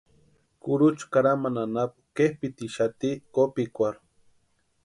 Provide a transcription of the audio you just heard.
Kurucha karhamani anapu kepʼitixati kopikwarhu.